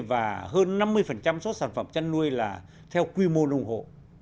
và hơn năm mươi số sản phẩm chăn nuôi là theo quy mô ủng hộ